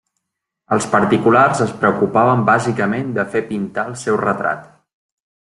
Els particulars es preocupaven bàsicament de fer pintar el seu retrat.